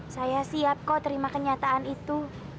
saya siap kok terima kenyataan itu